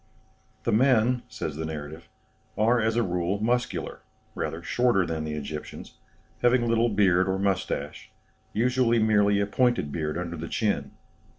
"The men," says the narrative, "are, as a rule, muscular, rather shorter than the Egyptians, having little beard or moustache, usually merely a pointed beard under the chin.